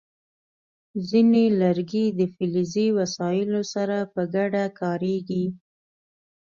ځینې لرګي د فلزي وسایلو سره په ګډه کارېږي.